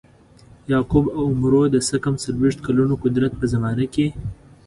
یعقوب او عمرو د څه کم څلویښت کلونو قدرت په زمانه کې.